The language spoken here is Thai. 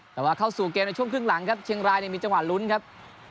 แต่ว่าเข้าสู่เกมในช่วงครึ่งหลังครับเชียงรายมีจังหวะลุ้นครับ